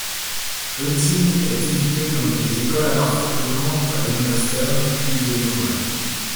Euthyme est éduqué dans des écoles appartenant à des Monastères, puis il devient moine.